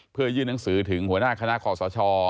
เพื่อยื่นหนังสือถึงหัวหน้าคณะคอสช